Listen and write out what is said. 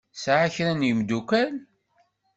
Tesεa kra n yemdukal.